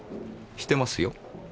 してますよ。